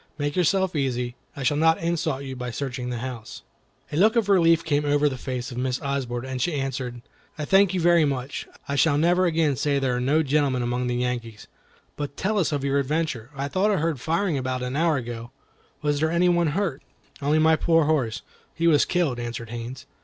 Make yourself easy. I shall not insult you by searching the house." A look as of relief came over the face of Miss Osborne as she answered: "I thank you very much. I shall never say again there are no gentlemen among the Yankees. But tell us of your adventure. I thought I heard firing about an hour ago. Was there any one hurt?" "Only my poor horse; he was killed," answered Haines.